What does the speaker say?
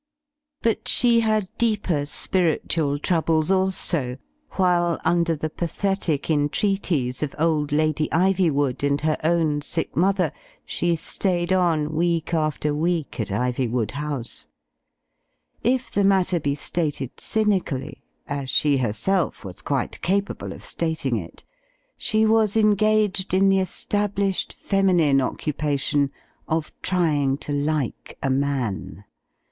But she had deeper spiritual troubles also, while, under the pathetic entreaties of old Lady Ivywood and her own sick mother, she stayed on week after week at Ivywood House. If the matter be stated cynically (as she herself was quite capable of stating it) she was engaged in the established feminine occu Digitized by CjOOQ IC 304 THE FLYING INN pation of trying to like a man.